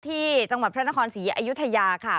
ที่จังหวัดพระนครศรีอยุธยาค่ะ